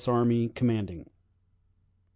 Army, commanding_.